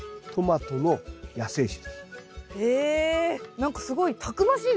何かすごいたくましいですね。